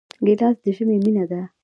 ګیلاس د ژمي مینه ده.